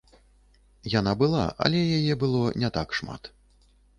Яна была, але яе было не так шмат.